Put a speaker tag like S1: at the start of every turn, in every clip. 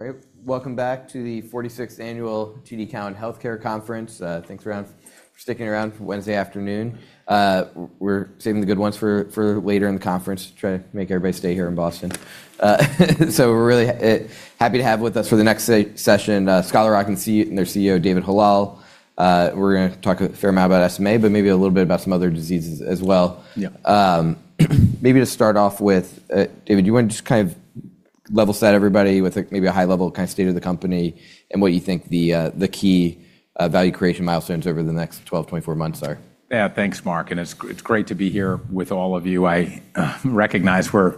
S1: Great. Welcome back to the 46th annual TD Cowen Healthcare Conference. Thanks around for sticking around for Wednesday afternoon. We're saving the good ones for later in the conference to try to make everybody stay here in Boston. We're really happy to have with us for the next session, Scholar Rock and their CEO, David Hallal. We're gonna talk a fair amount about SMA, but maybe a little bit about some other diseases as well.
S2: Yeah.
S1: Maybe to start off with, David, do you wanna just kind of level set everybody with like maybe a high level kind of state of the company and what you think the key value creation milestones over the next 12, 24 months are?
S2: Thanks Mark, it's great to be here with all of you. I recognize we're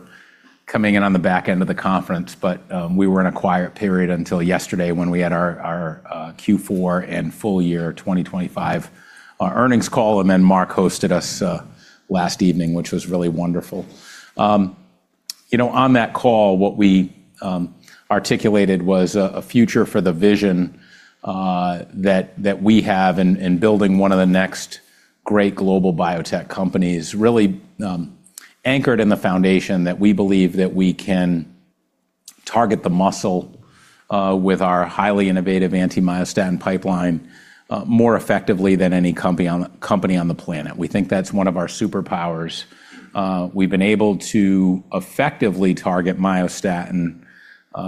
S2: coming in on the back end of the conference, but we were in a quiet period until yesterday when we had our Q4 and full year 2025 earnings call, and then Mark hosted us last evening, which was really wonderful. You know, on that call, what we articulated was a future for the vision that we have in building one of the next great global biotech companies, really anchored in the foundation that we believe that we can target the muscle with our highly innovative anti-myostatin pipeline more effectively than any company on the planet. We think that's one of our superpowers. We've been able to effectively target myostatin,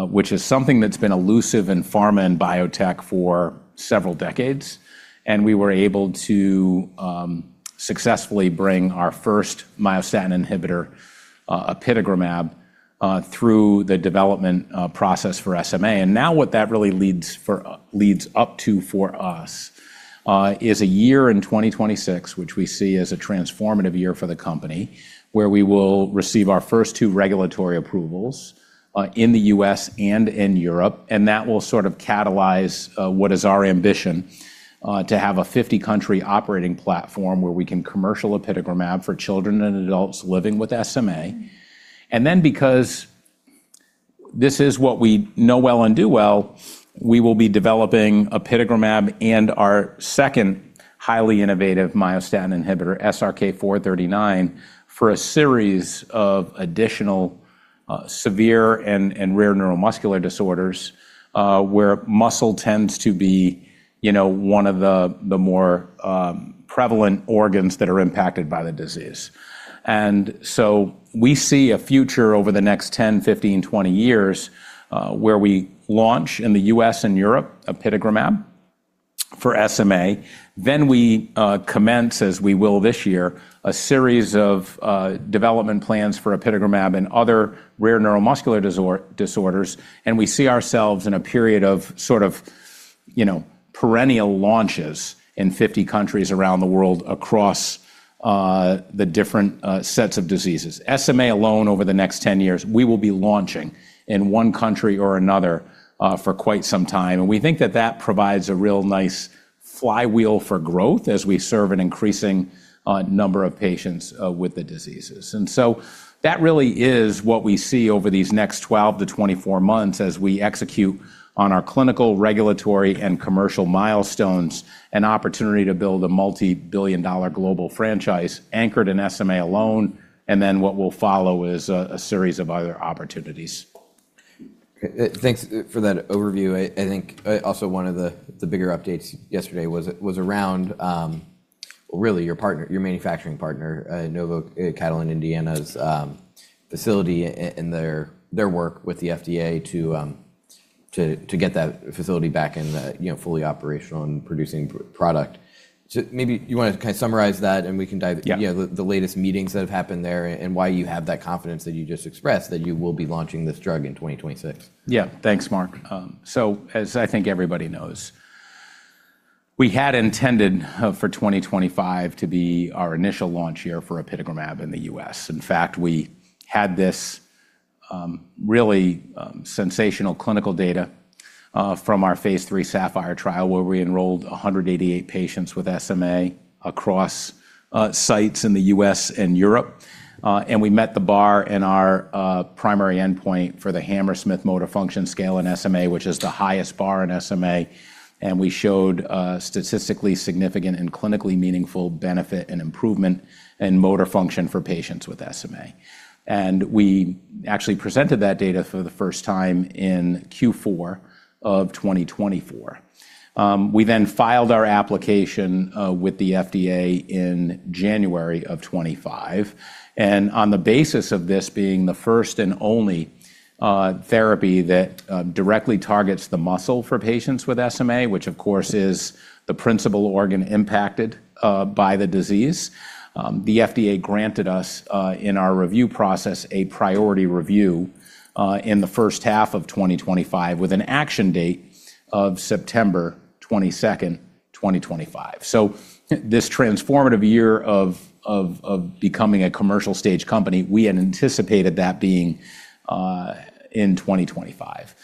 S2: which is something that's been elusive in pharma and biotech for several decades, and we were able to successfully bring our first myostatin inhibitor, apitegromab, through the development process for SMA. Now what that really leads up to for us is a year in 2026, which we see as a transformative year for the company, where we will receive our first two regulatory approvals in the U.S. and in Europe, and that will sort of catalyze what is our ambition to have a 50-country operating platform where we can commercial apitegromab for children and adults living with SMA. Because this is what we know well and do well, we will be developing apitegromab and our second highly innovative myostatin inhibitor, SRK-439, for a series of additional, severe and rare neuromuscular disorders, where muscle tends to be, you know, one of the more prevalent organs that are impacted by the disease. We see a future over the next 10, 15, 20 years, where we launch in the U.S. and Europe apitegromab for SMA. We commence, as we will this year, a series of development plans for apitegromab and other rare neuromuscular disorders, and we see ourselves in a period of sort of, you know, perennial launches in 50 countries around the world across the different sets of diseases. SMA alone over the next 10 years, we will be launching in one country or another for quite some time. We think that that provides a real nice flywheel for growth as we serve an increasing number of patients with the diseases. That really is what we see over these next 12 to 24 months as we execute on our clinical, regulatory, and commercial milestones, an opportunity to build a multi-billion dollar global franchise anchored in SMA alone, what will follow is a series of other opportunities.
S1: Okay. Thanks for that overview. I think also one of the bigger updates yesterday was around really your partner, your manufacturing partner, Novo Catalent Indiana's facility and their work with the FDA to get that facility back and, you know, fully operational and producing product. Maybe you wanna kinda summarize that, and we can dive...
S2: Yeah.
S1: You know, the latest meetings that have happened there and why you have that confidence that you just expressed that you will be launching this drug in 2026.
S2: Yeah. Thanks, Mark. As I think everybody knows, we had intended for 2025 to be our initial launch year for apitegromab in the U.S. In fact, we had this really sensational clinical data from our phase 3 SAPPHIRE trial where we enrolled 188 patients with SMA across sites in the U.S. and Europe. We met the bar in our primary endpoint for the Hammersmith Functional Motor Scale in SMA, which is the highest bar in SMA, and we showed a statistically significant and clinically meaningful benefit and improvement in motor function for patients with SMA. We actually presented that data for the first time in Q4 of 2024. We then filed our application with the FDA in January of 2025. On the basis of this being the first and only therapy that directly targets the muscle for patients with SMA, which of course is the principal organ impacted by the disease, the FDA granted us in our review process a priority review in the first half of 2025 with an action date of September 22nd, 2025. This transformative year of becoming a commercial stage company, we had anticipated that being in 2025.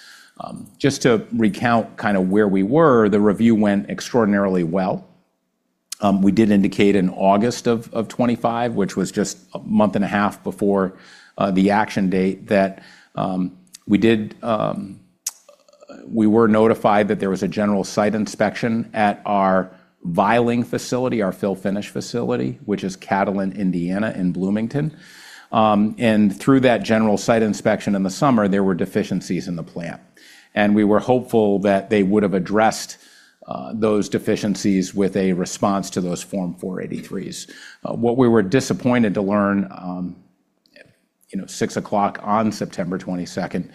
S2: Just to recount kinda where we were, the review went extraordinarily well. We did indicate in August of 25, which was just a month and a half before the action date, that we were notified that there was a general site inspection at our vialling facility, our fill-finish facility, which is Catalent Indiana in Bloomington. Through that general site inspection in the summer, there were deficiencies in the plant. We were hopeful that they would have addressed those deficiencies with a response to those Form 483s. What we were disappointed to learn, you know, 6:00 P.M. on September 22nd,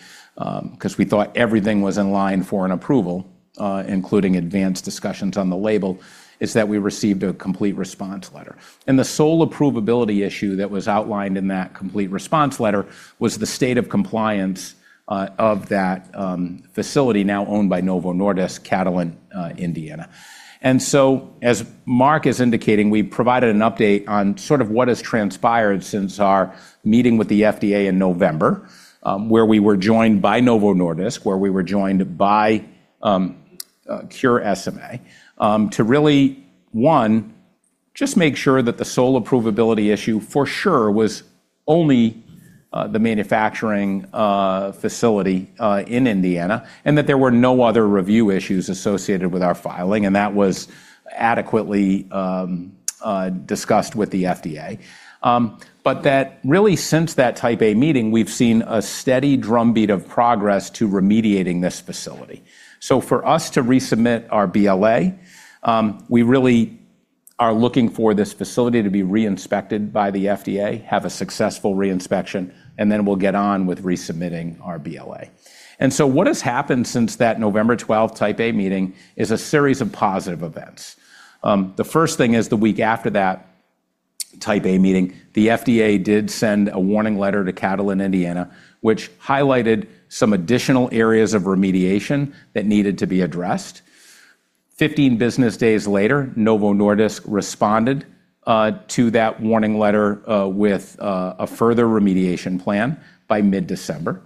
S2: 'cause we thought everything was in line for an approval, including advanced discussions on the label, is that we received a complete response letter. The sole approvability issue that was outlined in that complete response letter was the state of compliance of that facility now owned by Novo Nordisk, Catalent Indiana. As Mark is indicating, we provided an update on sort of what has transpired since our meeting with the FDA in November, where we were joined by Novo Nordisk, where we were joined by Cure SMA. To really, one, just make sure that the sole approvability issue for sure was only the manufacturing facility in Indiana, and that there were no other review issues associated with our filing, and that was adequately discussed with the FDA. Really since that Type A meeting, we've seen a steady drumbeat of progress to remediating this facility. For us to resubmit our BLA, we really are looking for this facility to be re-inspected by the FDA, have a successful re-inspection, and then we'll get on with resubmitting our BLA. What has happened since that November 12th Type A meeting is a series of positive events. The first thing is the week after that Type A meeting, the FDA did send a Warning Letter to Catalent Indiana, which highlighted some additional areas of remediation that needed to be addressed. 15 business days later, Novo Nordisk responded to that Warning Letter with a further remediation plan by mid-December.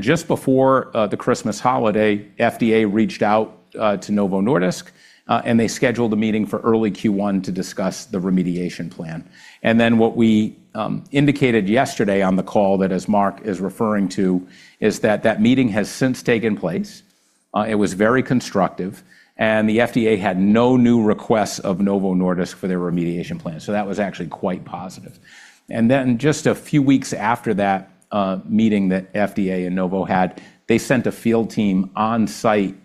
S2: Just before the Christmas holiday, FDA reached out to Novo Nordisk and they scheduled a meeting for early Q1 to discuss the remediation plan. What we indicated yesterday on the call that as Mark is referring to is that that meeting has since taken place, it was very constructive, and the FDA had no new requests of Novo Nordisk for their remediation plan. That was actually quite positive. Just a few weeks after that, meeting that FDA and Novo had, they sent a field team on-site,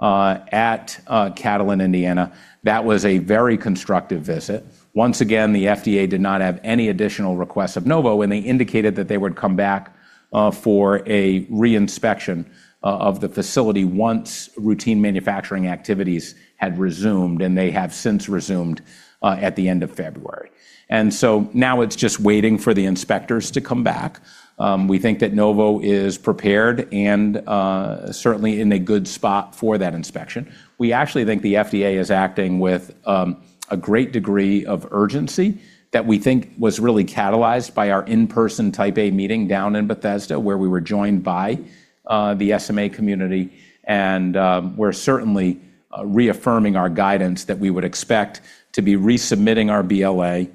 S2: at Catalent Indiana. That was a very constructive visit. Once again, the FDA did not have any additional requests of Novo, and they indicated that they would come back for a re-inspection of the facility once routine manufacturing activities had resumed, and they have since resumed at the end of February. Now it's just waiting for the inspectors to come back. We think that Novo is prepared and certainly in a good spot for that inspection. We actually think the FDA is acting with a great degree of urgency that we think was really catalyzed by our in-person Type A meeting down in Bethesda, where we were joined by the SMA community. We're certainly reaffirming our guidance that we would expect to be resubmitting our BLA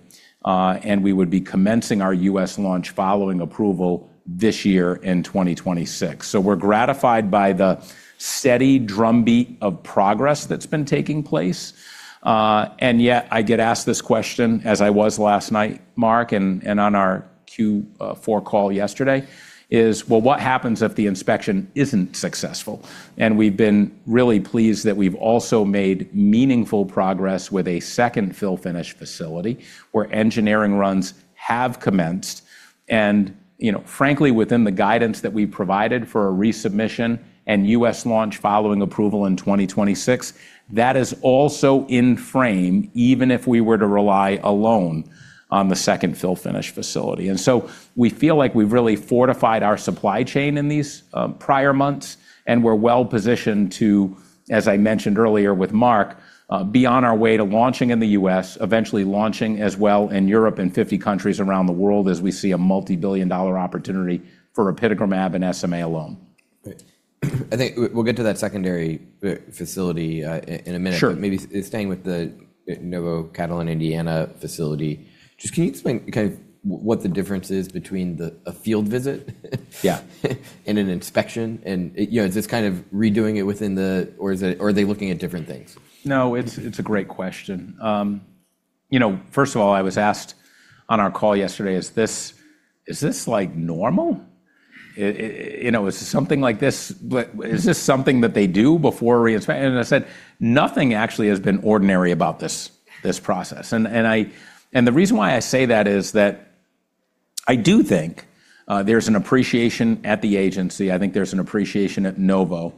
S2: and we would be commencing our U.S. launch following approval this year in 2026. We're gratified by the steady drumbeat of progress that's been taking place. Yet I get asked this question as I was last night, Mark, and on our Q4 call yesterday, is, "Well, what happens if the inspection isn't successful?" We've been really pleased that we've also made meaningful progress with a second fill-finish facility where engineering runs have commenced. You know, frankly, within the guidance that we provided for a resubmission and U.S. launch following approval in 2026, that is also in frame, even if we were to rely alone on the second fill-finish facility. We feel like we've really fortified our supply chain in these prior months, and we're well-positioned to, as I mentioned earlier with Mark, be on our way to launching in the U.S., eventually launching as well in Europe and 50 countries around the world as we see a multi-billion dollar opportunity for apitegromab and SMA alone.
S1: I think we'll get to that secondary facility in a minute.
S2: Sure.
S1: maybe staying with the Novo Catalent Indiana facility, just can you explain kind of what the difference is between a field visit?
S2: Yeah
S1: An inspection? You know, is this kind of redoing it within the... Or are they looking at different things?
S2: No, it's a great question. you know, first of all, I was asked on our call yesterday, "Is this, is this like normal? Is this something that they do before reinspect?" I said, "Nothing actually has been ordinary about this process." The reason why I say that is that I do think there's an appreciation at the agency, I think there's an appreciation at Novo,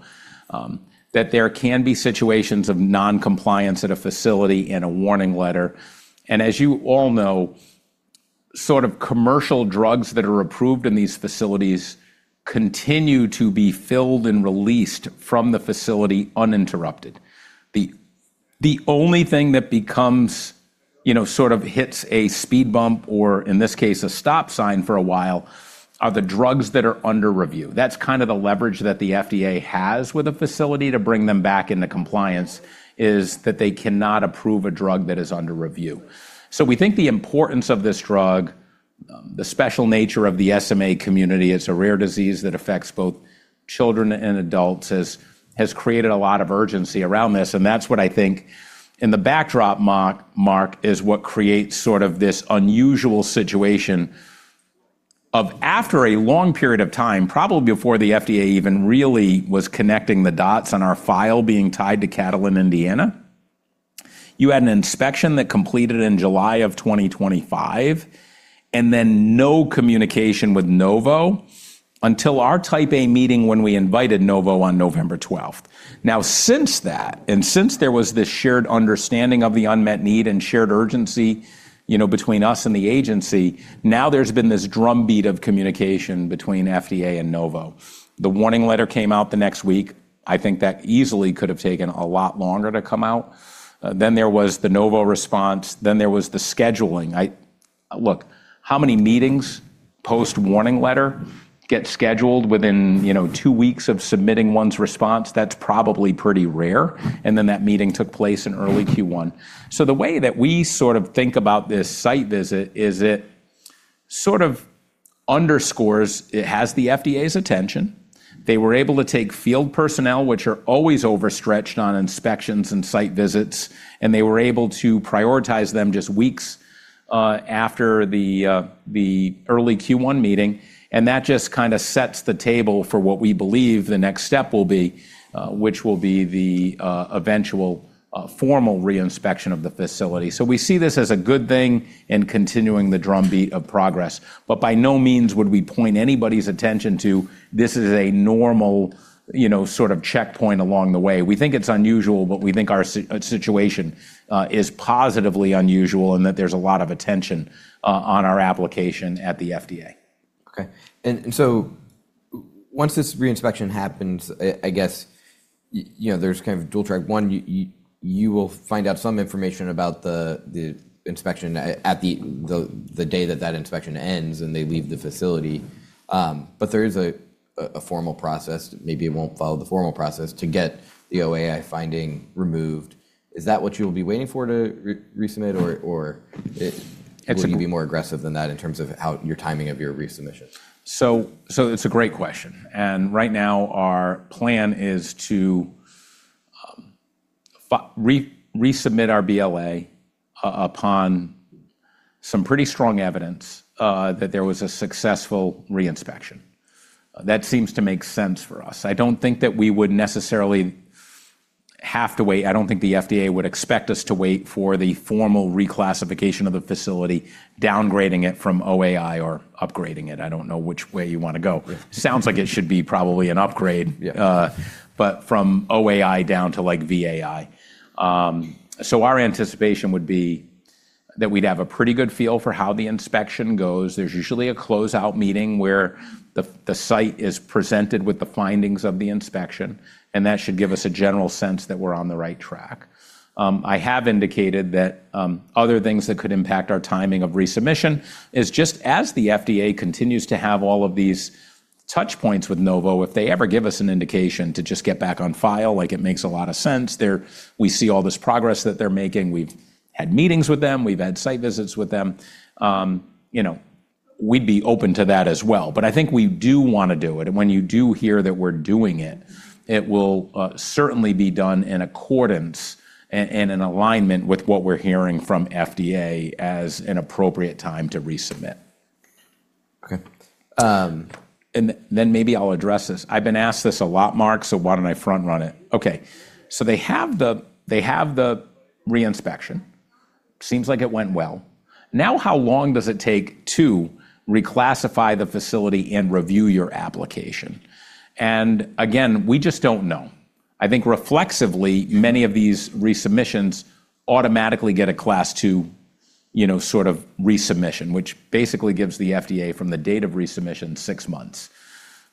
S2: that there can be situations of non-compliance at a facility and a Warning Letter. As you all know, sort of commercial drugs that are approved in these facilities continue to be filled and released from the facility uninterrupted. The only thing that becomes, you know, sort of hits a speed bump or in this case a stop sign for a while, are the drugs that are under review. That's kind of the leverage that the FDA has with a facility to bring them back into compliance, is that they cannot approve a drug that is under review. We think the importance of this drugThe special nature of the SMA community, it's a rare disease that affects both children and adults, has created a lot of urgency around this, and that's what I think in the backdrop, Mark, is what creates sort of this unusual situation of after a long period of time, probably before the FDA even really was connecting the dots on our file being tied to Catalent Indiana. You had an inspection that completed in July of 2025, and then no communication with Novo until our Type A meeting when we invited Novo on November 12th. Since that, and since there was this shared understanding of the unmet need and shared urgency, you know, between us and the agency, there's been this drumbeat of communication between FDA and Novo. The warning letter came out the next week. I think that easily could have taken a lot longer to come out. There was the Novo response, then there was the scheduling. Look, how many meetings post-Warning Letter get scheduled within, you know, two weeks of submitting one's response? That's probably pretty rare. That meeting took place in early Q1. The way that we sort of think about this site visit is it sort of underscores it has the FDA's attention. They were able to take field personnel, which are always overstretched on inspections and site visits, and they were able to prioritize them just weeks after the early Q1 meeting, and that just kinda sets the table for what we believe the next step will be, which will be the eventual formal re-inspection of the facility. We see this as a good thing in continuing the drumbeat of progress. By no means would we point anybody's attention to this is a normal, you know, sort of checkpoint along the way. We think it's unusual, but we think our situation is positively unusual and that there's a lot of attention on our application at the FDA.
S1: Okay. Once this re-inspection happens, I guess, you know, there's kind of dual track. One, you will find out some information about the inspection at the day that that inspection ends and they leave the facility. There is a formal process, maybe it won't follow the formal process, to get the OAI finding removed. Is that what you'll be waiting for to resubmit or? It's would you be more aggressive than that in terms of how your timing of your resubmission?
S2: It's a great question. Right now our plan is to re-resubmit our BLA upon some pretty strong evidence that there was a successful re-inspection. That seems to make sense for us. I don't think that we would necessarily have to wait. I don't think the FDA would expect us to wait for the formal reclassification of the facility, downgrading it from OAI or upgrading it. I don't know which way you wanna go.
S1: Right.
S2: Sounds like it should be probably an upgrade.
S1: Yeah.
S2: From OAI down to like VAI. Our anticipation would be that we'd have a pretty good feel for how the inspection goes. There's usually a closeout meeting where the site is presented with the findings of the inspection, and that should give us a general sense that we're on the right track. I have indicated that other things that could impact our timing of resubmission is just as the FDA continues to have all of these touch points with Novo, if they ever give us an indication to just get back on file, like it makes a lot of sense, we see all this progress that they're making, we've had meetings with them, we've had site visits with them. We'd be open to that as well. I think we do wanna do it, and when you do hear that we're doing it will certainly be done in accordance and in alignment with what we're hearing from FDA as an appropriate time to resubmit.
S1: Okay.
S2: Maybe I'll address this. I've been asked this a lot, Mark, why don't I front run it? Okay. They have the re-inspection. Seems like it went well. How long does it take to reclassify the facility and review your application? Again, we just don't know. I think reflexively many of these resubmissions automatically get a Class 2, you know, sort of resubmission, which basically gives the FDA from the date of resubmission six months.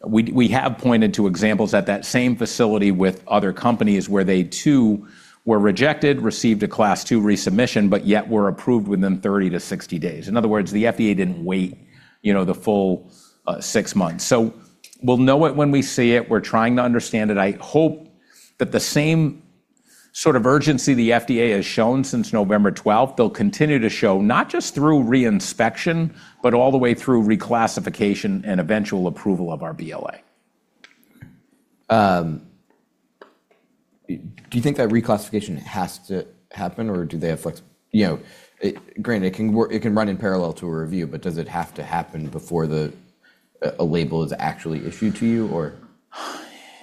S2: We have pointed to examples at that same facility with other companies where they too were rejected, received a Class 2 resubmission, yet were approved within 30-60 days. In other words, the FDA didn't wait, you know, the full six months. We'll know it when we see it. We're trying to understand it. I hope that the same sort of urgency the FDA has shown since November twelfth, they'll continue to show, not just through re-inspection, but all the way through reclassification and eventual approval of our BLA.
S1: Do you think that reclassification has to happen or do they have, you know, granted, it can run in parallel to a review, but does it have to happen before a label is actually issued to you or?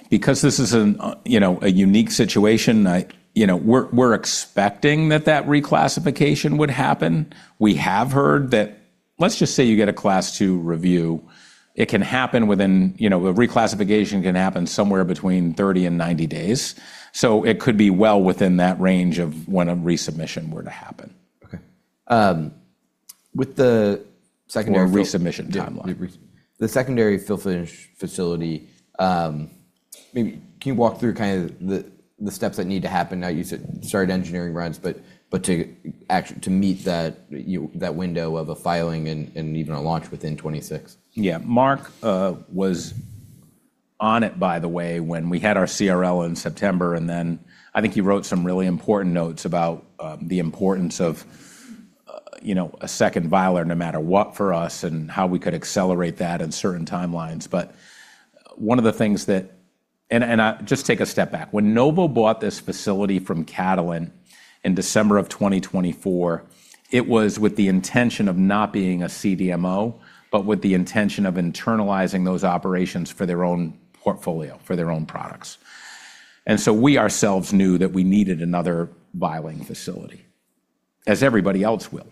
S2: Because this is an, you know, a unique situation. You know, we're expecting that that reclassification would happen. We have heard that, let's just say you get a Class 2 review, it can happen within, you know. A reclassification can happen somewhere between 30 and 90 days. It could be well within that range of when a resubmission were to happen.
S1: Okay.
S2: resubmission timeline.
S1: Yeah, The secondary fill-finish facility, maybe can you walk through kind of the steps that need to happen now? You said start engineering runs, but to meet that window of a filing and even a launch within 26.
S2: Yeah. Mark was on it, by the way, when we had our CRL in September, I think he wrote some really important notes about the importance of, you know, a second vialer no matter what for us and how we could accelerate that in certain timelines. Just take a step back. When Novo bought this facility from Catalent in December of 2024, it was with the intention of not being a CDMO, but with the intention of internalizing those operations for their own portfolio, for their own products. We ourselves knew that we needed another vialing facility, as everybody else will.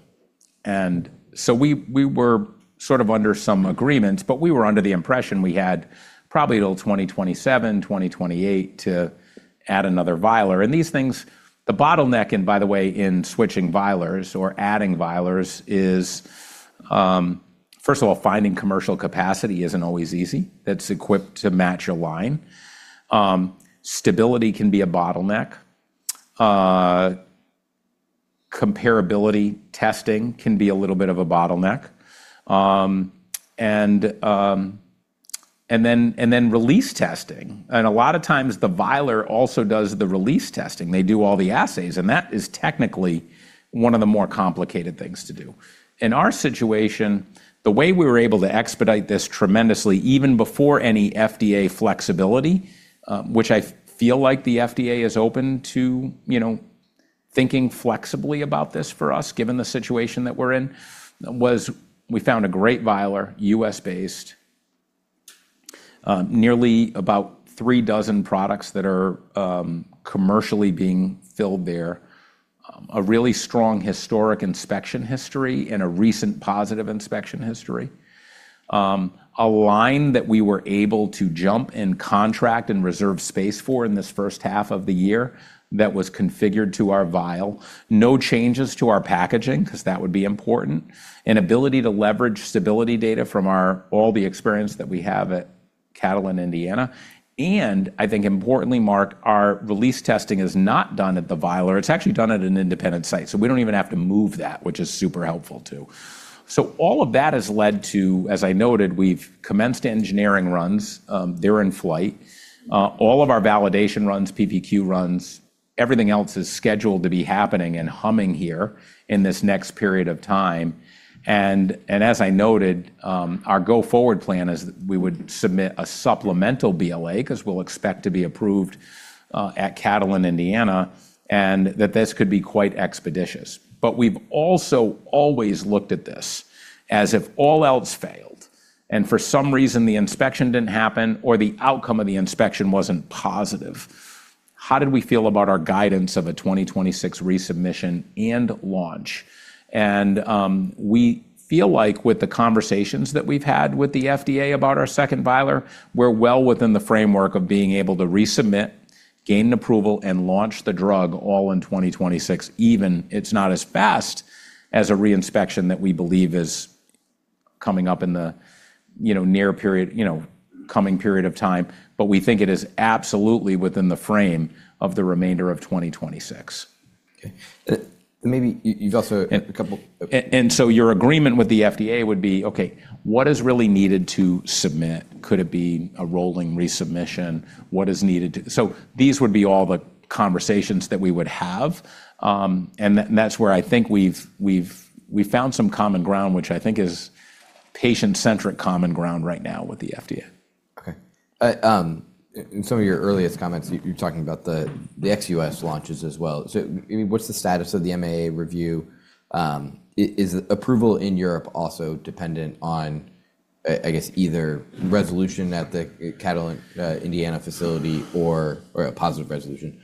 S2: We were sort of under some agreement, but we were under the impression we had probably till 2027, 2028 to add another vialer. These things, the bottleneck, and by the way, in switching vialers or adding vialers is, first of all, finding commercial capacity isn't always easy that's equipped to match a line. Stability can be a bottleneck. Comparability testing can be a little bit of a bottleneck. And then release testing. A lot of times the vialer also does the release testing. They do all the assays, and that is technically one of the more complicated things to do. In our situation, the way we were able to expedite this tremendously, even before any FDA flexibility, which I feel like the FDA is open to, you know, thinking flexibly about this for us, given the situation that we're in, was we found a great vialer, U.S.-based, nearly about three dozen products that are commercially being filled there. A really strong historic inspection history and a recent positive inspection history. A line that we were able to jump and contract and reserve space for in this first half of the year that was configured to our vial. No changes to our packaging, 'cause that would be important. An ability to leverage stability data from our all the experience that we have at Catalent, Indiana. I think importantly, Mark, our release testing is not done at the vialer. It's actually done at an independent site. We don't even have to move that, which is super helpful too. All of that has led to, as I noted, we've commenced engineering runs. They're in flight. All of our validation runs, PPQ runs, everything else is scheduled to be happening and humming here in this next period of time. As I noted, our go-forward plan is we would submit a supplemental BLA 'cause we'll expect to be approved at Catalent Indiana, and that this could be quite expeditious. We've also always looked at this as if all else failed, and for some reason the inspection didn't happen or the outcome of the inspection wasn't positive, how did we feel about our guidance of a 2026 resubmission and launch? We feel like with the conversations that we've had with the FDA about our second vialer, we're well within the framework of being able to resubmit, gain approval, and launch the drug all in 2026, even it's not as fast as a re-inspection that we believe is coming up in the, you know, near period, you know, coming period of time. We think it is absolutely within the frame of the remainder of 2026.
S1: Okay. Maybe you've also a couple-
S2: Your agreement with the FDA would be, okay, what is really needed to submit? Could it be a rolling resubmission? What is needed to... These would be all the conversations that we would have. That's where I think we've found some common ground, which I think is patient-centric common ground right now with the FDA.
S1: Okay. In some of your earliest comments, you're talking about the ex-U.S. launches as well. I mean, what's the status of the MAA review? Is approval in Europe also dependent on, I guess, either resolution at the Catalent Indiana facility or a positive resolution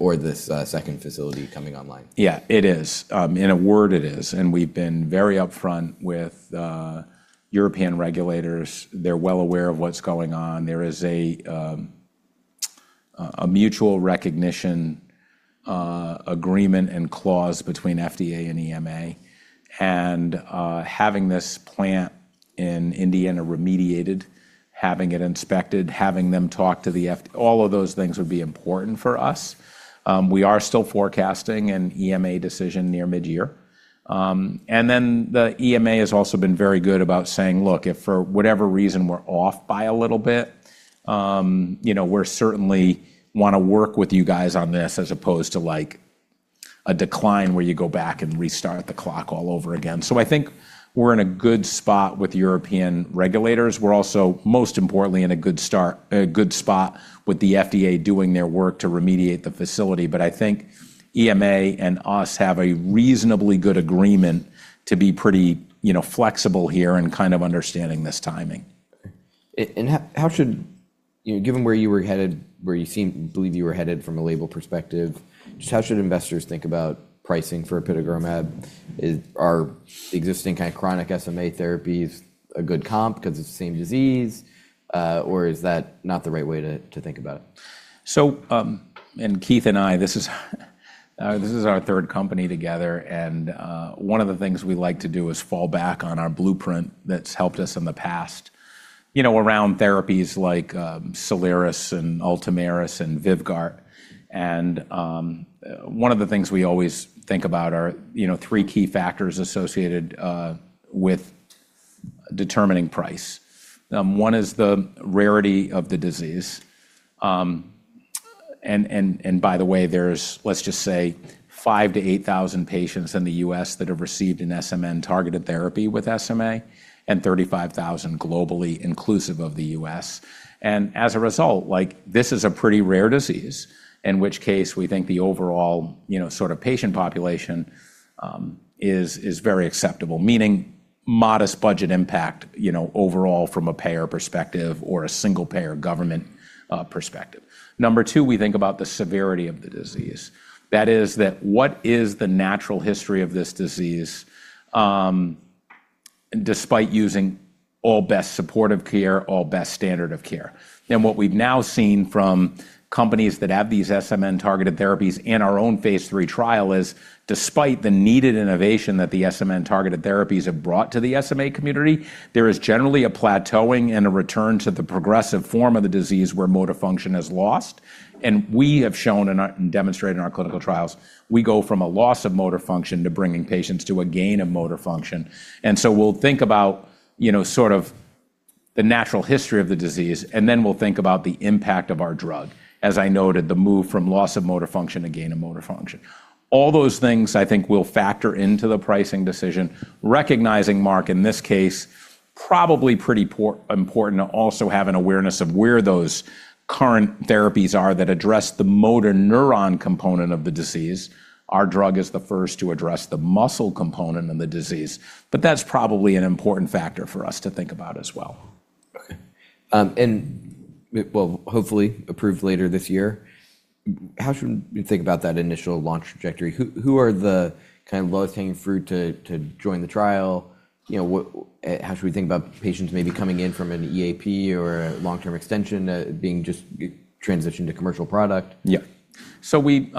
S1: or this second facility coming online?
S2: Yeah, it is. In a word, it is. We've been very upfront with European regulators. They're well aware of what's going on. There is a mutual recognition agreement and clause between FDA and EMA. Having this plant in Indiana remediated, having it inspected, having them talk to All of those things would be important for us. We are still forecasting an EMA decision near mid-year. Then the EMA has also been very good about saying, "Look, if for whatever reason we're off by a little bit, you know, we're certainly wanna work with you guys on this as opposed to like a decline where you go back and restart the clock all over again." I think we're in a good spot with European regulators. We're also, most importantly, in a good spot with the FDA doing their work to remediate the facility. I think EMA and us have a reasonably good agreement to be pretty, you know, flexible here in kind of understanding this timing.
S1: Okay. How should you know, given where you were headed, where you seem believe you were headed from a label perspective, just how should investors think about pricing for apitegromab? Are existing kind of chronic SMA therapies a good comp 'cause it's the same disease? Is that not the right way to think about it?
S2: Keith and I, this is our third company together and one of the things we like to do is fall back on our blueprint that's helped us in the past, you know, around therapies like Soliris and Ultomiris and Vyvgart. One of the things we always think about are, you know, three key factors associated with determining price. One is the rarity of the disease. By the way, there's, let's just say 5,000-8,000 patients in the U.S. that have received an SMN targeted therapy with SMA, and 35,000 globally inclusive of the U.S. As a result, like this is a pretty rare disease, in which case we think the overall, you know, sort of patient population is very acceptable. Meaning modest budget impact, you know, overall from a payer perspective or a single payer government perspective. Number two, we think about the severity of the disease. That is that what is the natural history of this disease, despite using all best supportive care, all best standard of care? What we've now seen from companies that have these SMN targeted therapies in our own phase 3 trial is despite the needed innovation that the SMN targeted therapies have brought to the SMA community, there is generally a plateauing and a return to the progressive form of the disease where motor function is lost. We have demonstrated in our clinical trials, we go from a loss of motor function to bringing patients to a gain of motor function. We'll think about, you know, sort of the natural history of the disease, and then we'll think about the impact of our drug. As I noted, the move from loss of motor function to gain of motor function. All those things I think will factor into the pricing decision. Recognizing Mark, in this case, probably pretty important to also have an awareness of where those current therapies are that address the motor neuron component of the disease. Our drug is the first to address the muscle component of the disease, but that's probably an important factor for us to think about as well.
S1: Okay. Well, hopefully approved later this year, how should we think about that initial launch trajectory? Who are the kind of lowest hanging fruit to join the trial? You know, how should we think about patients maybe coming in from an EAP or a long-term extension, being just transitioned to commercial product?
S2: Yeah. We,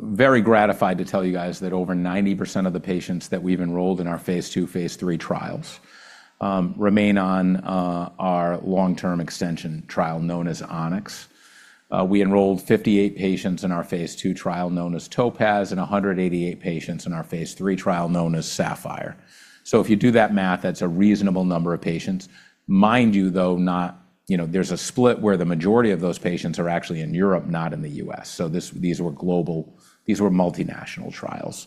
S2: very gratified to tell you guys that over 90% of the patients that we've enrolled in our phase 2, phase 3 trials, remain on our long-term extension trial known as ONYX. We enrolled 58 patients in our phase 2 trial known as TOPAZ, and 188 patients in our phase 3 trial known as SAPPHIRE. If you do that math, that's a reasonable number of patients. Mind you though, not, you know, there's a split where the majority of those patients are actually in Europe, not in the U.S. These were global, these were multinational trials.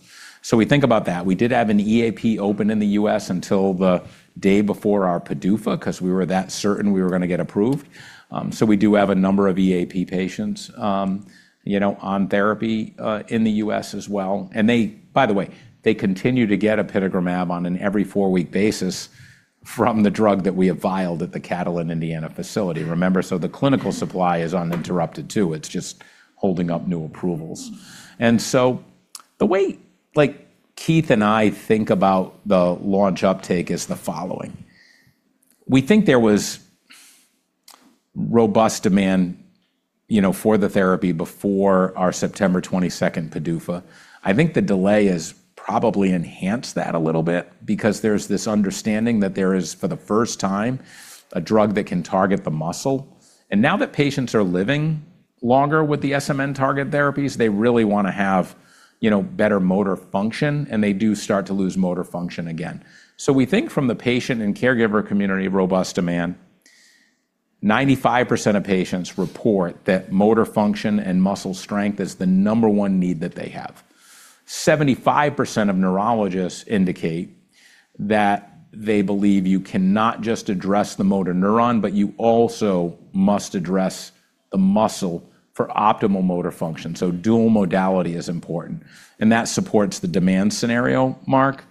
S2: We think about that. We did have an EAP open in the U.S. until the day before our PDUFA, 'cause we were that certain we were gonna get approved. We do have a number of EAP patients, you know, on therapy, in the U.S. as well. They, by the way, they continue to get apitegromab on an every four-week basis from the drug that we have filed at the Catalent Indiana facility. Remember, the clinical supply is uninterrupted too. It's just holding up new approvals. The way like Keith and I think about the launch uptake is the following: We think there was robust demand, you know, for the therapy before our September 22nd PDUFA. I think the delay has probably enhanced that a little bit because there's this understanding that there is, for the first time, a drug that can target the muscle. Now that patients are living longer with the SMN target therapies, they really wanna have, you know, better motor function, and they do start to lose motor function again. We think from the patient and caregiver community, robust demand, 95% of patients report that motor function and muscle strength is the number one need that they have. 75% of neurologists indicate that they believe you cannot just address the motor neuron, but you also must address the muscle for optimal motor function. Dual modality is important, and that supports the demand scenario, Mark.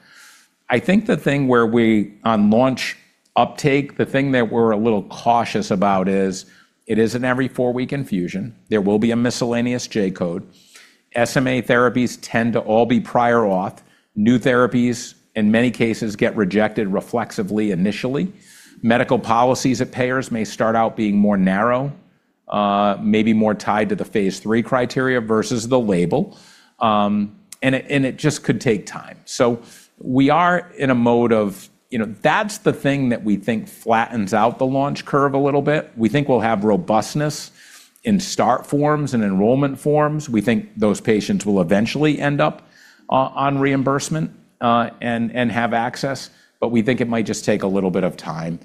S2: I think the thing where we on launch uptake, the thing that we're a little cautious about is it is an every four-week infusion. There will be a miscellaneous J code. SMA therapies tend to all be prior authorization. New therapies, in many cases, get rejected reflexively initially. Medical policies at payers may start out being more narrow, maybe more tied to the phase three criteria versus the label. It just could take time. We are in a mode of, you know, that's the thing that we think flattens out the launch curve a little bit. We think we'll have robustness in start forms and enrollment forms. We think those patients will eventually end up on reimbursement, and have access, but we think it might just take a little bit of time.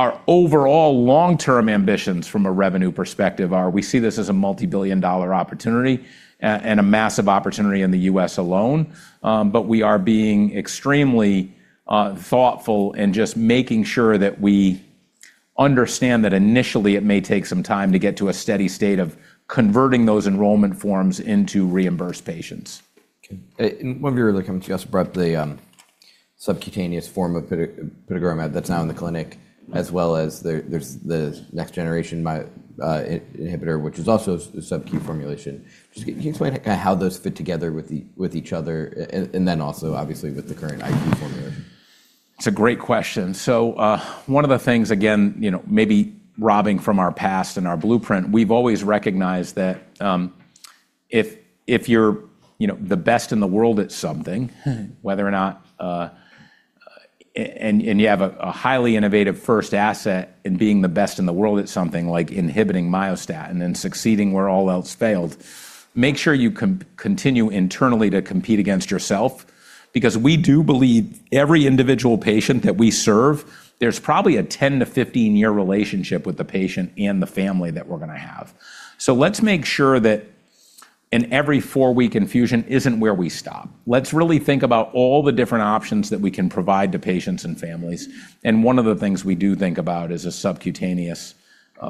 S2: Our overall long-term ambitions from a revenue perspective are we see this as a multi-billion dollar opportunity and a massive opportunity in the U.S. alone. We are being extremely thoughtful in just making sure that we understand that initially it may take some time to get to a steady state of converting those enrollment forms into reimbursed patients.
S1: Okay. In one of your earlier comments, you also brought up the subcutaneous form of apitegromab that's now in the clinic, as well as there's the next generation by inhibitor, which is also subcu formulation. Can you explain kinda how those fit together with each other and then also obviously with the current IV formulation?
S2: It's a great question. One of the things, again, you know, maybe robbing from our past and our blueprint, we've always recognized that, if you're, you know, the best in the world at something, whether or not you have a highly innovative first asset in being the best in the world at something like inhibiting myostatin and succeeding where all else failed, make sure you continue internally to compete against yourself because we do believe every individual patient that we serve, there's probably a 10-15-year relationship with the patient and the family that we're gonna have. Let's make sure that in every four-week infusion isn't where we stop. Let's really think about all the different options that we can provide to patients and families, one of the things we do think about is a subcutaneous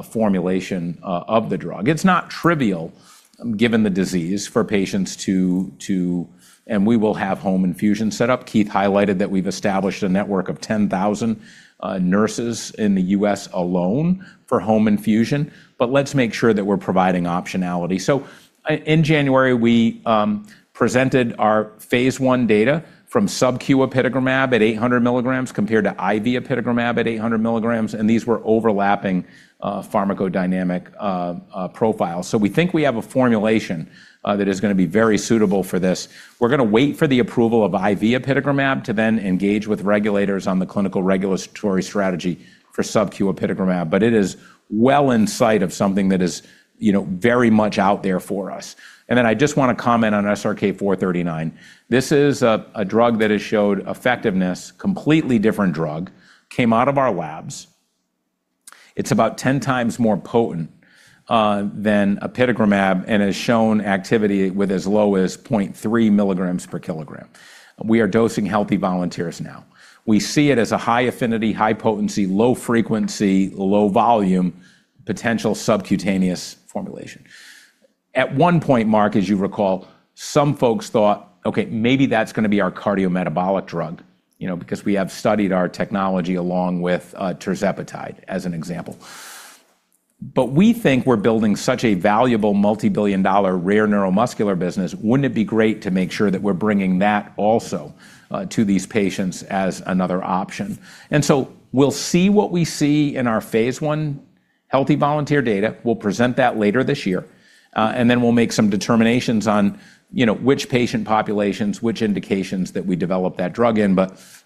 S2: formulation of the drug. It's not trivial, given the disease, for patients to. We will have home infusion set up. Keith highlighted that we've established a network of 10,000 nurses in the U.S. alone for home infusion. Let's make sure that we're providing optionality. In January, we presented our phase 1 data from subcu apitegromab at 800 milligrams compared to IV apitegromab at 800 milligrams. These were overlapping pharmacodynamic profiles. We think we have a formulation that is gonna be very suitable for this. We're gonna wait for the approval of IV apitegromab to then engage with regulators on the clinical regulatory strategy for subcu apitegromab, but it is well in sight of something that is, you know, very much out there for us. I just wanna comment on SRK-439. This is a drug that has showed effectiveness, completely different drug, came out of our labs. It's about 10 times more potent than apitegromab and has shown activity with as low as 0.3 milligrams per kilogram. We are dosing healthy volunteers now. We see it as a high affinity, high potency, low frequency, low volume, potential subcutaneous formulation. At one point, Mark, as you recall, some folks thought, "Okay, maybe that's gonna be our cardiometabolic drug," you know, because we have studied our technology along with tirzepatide, as an example. We think we're building such a valuable multi-billion dollar rare neuromuscular business, wouldn't it be great to make sure that we're bringing that also to these patients as another option? We'll see what we see in our phase 1 healthy volunteer data. We'll present that later this year, we'll make some determinations on, you know, which patient populations, which indications that we develop that drug in.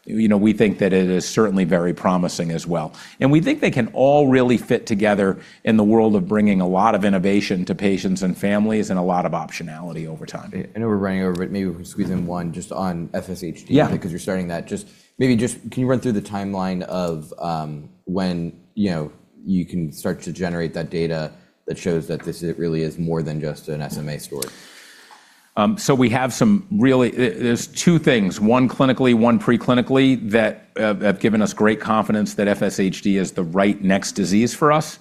S2: You know, we think that it is certainly very promising as well. We think they can all really fit together in the world of bringing a lot of innovation to patients and families and a lot of optionality over time.
S1: I know we're running over, but maybe we can squeeze in one just on FSHD.
S2: Yeah
S1: because you're starting that. Just, maybe just can you run through the timeline of, when, you know, you can start to generate that data that shows that this really is more than just an SMA story?
S2: We have some really, there's two things, one clinically, one pre-clinically, that have given us great confidence that FSHD is the right next disease for us.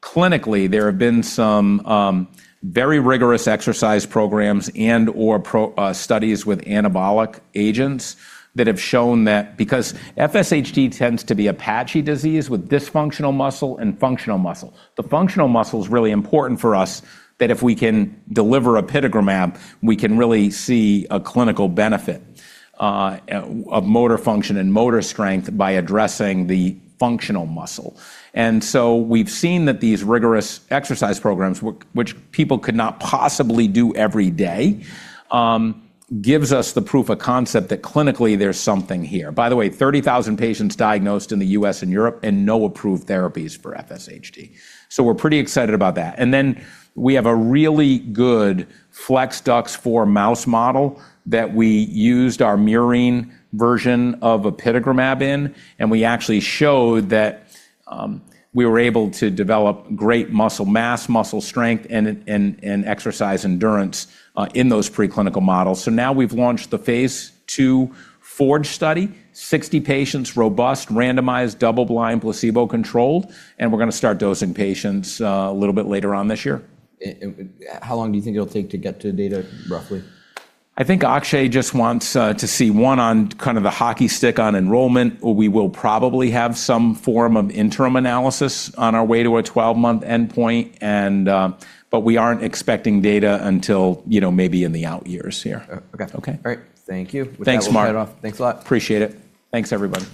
S2: Clinically, there have been some very rigorous exercise programs and/or studies with anabolic agents that have shown that because FSHD tends to be a patchy disease with dysfunctional muscle and functional muscle. The functional muscle is really important for us that if we can deliver apitegromab, we can really see a clinical benefit, of motor function and motor strength by addressing the functional muscle. We've seen that these rigorous exercise programs which people could not possibly do every day, gives us the proof of concept that clinically there's something here. By the way, 30,000 patients diagnosed in the U.S. and Europe, and no approved therapies for FSHD. We're pretty excited about that. We have a really good FLExDUX4 mouse model that we used our murine version of apitegromab in, and we actually showed that we were able to develop great muscle mass, muscle strength, and exercise endurance in those pre-clinical models. Now we've launched the phase 2 FORGE study, 60 patients, robust, randomized, double-blind, placebo-controlled, and we're gonna start dosing patients a little bit later on this year.
S1: How long do you think it'll take to get to data, roughly?
S2: I think Akshay just wants to see one on kind of the hockey stick on enrollment. We will probably have some form of interim analysis on our way to a 12-month endpoint and we aren't expecting data until, you know, maybe in the out years here.
S1: Okay.
S2: Okay?
S1: All right. Thank you.
S2: Thanks, Mark.
S1: With that, we'll sign off. Thanks a lot.
S2: Appreciate it. Thanks, everybody.